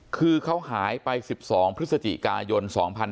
คือเขาหายไป๑๒พฤศจิกายน๒๕๖๒